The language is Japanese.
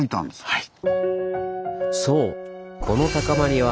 はい。